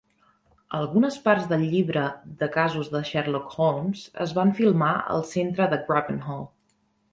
Algunes parts del "Llibre de casos de Sherlock Holmes" es van filmar al centre de Grappenhall.